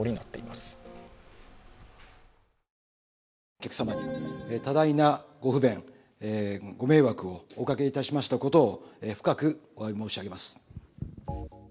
お客様に多大なご不便ご迷惑をおかけしましたことを深くおわび申し上げます。